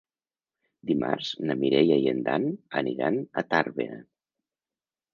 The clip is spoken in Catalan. Dimarts na Mireia i en Dan aniran a Tàrbena.